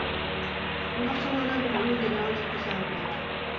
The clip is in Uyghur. ئۇنداق چاغلاردا بىز ئۇنى گېنېرال دەپ تەسەۋۋۇر قىلاتتۇق.